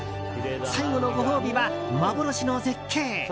最後のご褒美は幻の絶景。